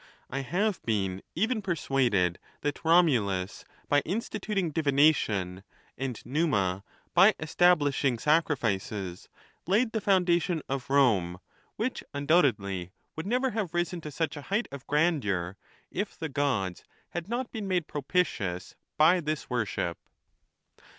I have been even persuaded that Romulus, by instituting divination, and Numa, by estab lishing sacrifices, laid the foundation of Rome, which un doubtedly would never have risen to such a height of grandeur if the Gods had not been made propitious by this worship.